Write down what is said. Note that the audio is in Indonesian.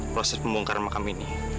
proses pembongkar makam ini